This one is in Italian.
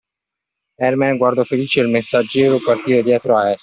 Ermen guardò felice il messaggero partire diretto a Est.